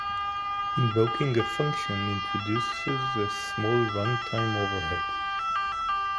Invoking a function introduces a small run-time overhead.